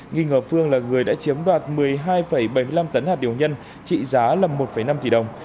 nghi ngờ phương là người đã chiếm đoạt một mươi hai bảy mươi năm tấn hạt điều nhân trị giá là một năm tỷ đồng